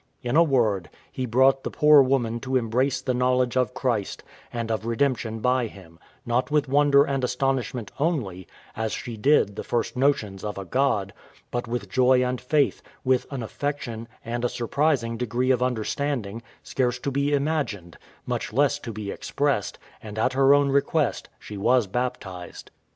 In a word, he brought the poor woman to embrace the knowledge of Christ, and of redemption by Him, not with wonder and astonishment only, as she did the first notions of a God, but with joy and faith; with an affection, and a surprising degree of understanding, scarce to be imagined, much less to be expressed; and, at her own request, she was baptized.